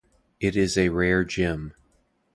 It is a rare gem.